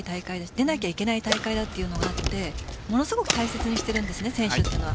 出なきゃいけない大会というのがあるのでものすごく大切にしているんです、選手は。